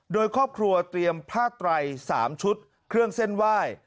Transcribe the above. โดยครอบครัวเตรียมผ้าไตร๓ชุดเครื่องเส้นไหว้